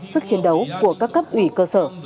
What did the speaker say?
sức chiến đấu của các cấp ủy cơ sở